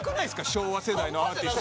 昭和世代のアーティスト。